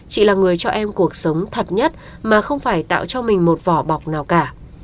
chị là người cho em cuộc sống thật nhất mà không phải tạo cho mình một vỏ bọc nào cả